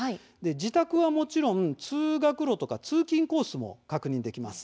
自宅はもちろん、通学路や通勤コースも確認できます。